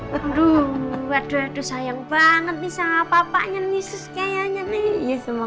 jadi kalo papa bunga tadi makanya nasibnya dia disuruh